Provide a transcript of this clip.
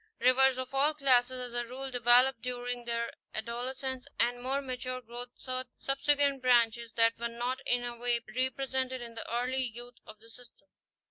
Rivers of all classes as a rule develop during their adolescence and more mature .growth certain "subsequent" branches that were not in any way represented in the early youth of the system.